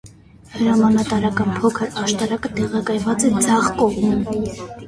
Հրամանատարական փոքր աշտարակը տեղակայված է ձախ կողմում։